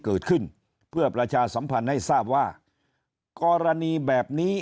เกิดขึ้นเพื่อประชาสัมพันธ์ให้ทราบว่ากรณีแบบนี้